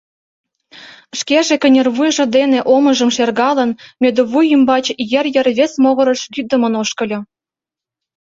Шкеже кынервуйжо дене омыжым шергалын, мӧдывуй ӱмбач ер йыр вес могырыш лӱддымын ошкыльо...